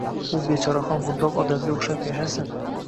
U bechora ham bundoq odamga o`xshab yashasin